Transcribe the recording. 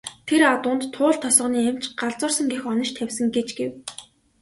Тэр адуунд Туул тосгоны эмч "галзуурсан" гэх онош тавьсан гэж гэв.